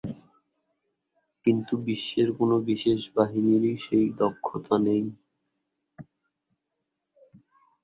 কিন্তু বিশ্বের কোনো বিশেষ বাহিনীরই সেই দক্ষতা নেই।